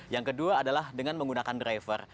yang kedua adalah dengan menggunakan driver